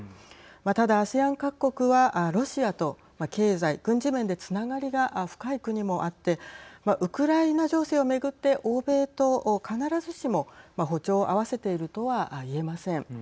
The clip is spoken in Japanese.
ただ、ＡＳＥＡＮ各国はロシアと経済・軍事面でつながりが深い国もあってウクライナ情勢を巡って欧米と必ずしも歩調を合わせているとは言えません。